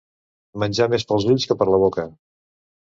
Menjar més pels ulls que per la boca.